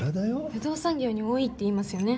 不動産業に多いって言いますよね。